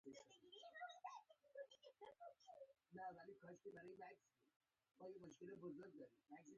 زه د متولیانو په معنی نه پوهېدم.